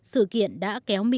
sự kiện đã kéo mỹ